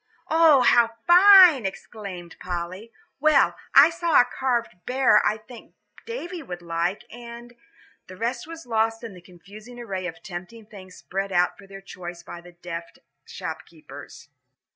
"Oh, how fine!" exclaimed Polly. "Well, I saw a carved bear I think Davie would like, and " the rest was lost in the confusing array of tempting things spread out for their choice by deft shopkeepers.